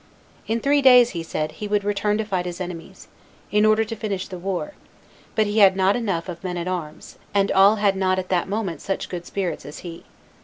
In three days, he said, he would return to fight his enemies, in order to finish the war; but he had not enough of men at arms, and all had not at that moment such good spirits as he.